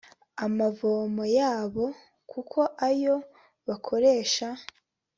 amavomo yabo kuko ayo bakoresha